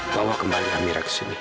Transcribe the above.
bawa kembali amira ke sini